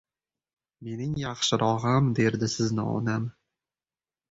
Mening yaxshirog‘im derdi sizni onam.